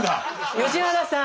吉原さん。